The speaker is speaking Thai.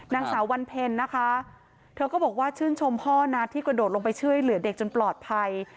นางสาววันเพ็ญนะคะเธอก็บอกว่าชื่นชมพ่อนะที่กระโดดลงไปช่วยเหลือเด็กจนปลอดภัย